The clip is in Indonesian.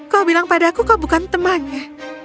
kau bilang pada aku kau bukan temannya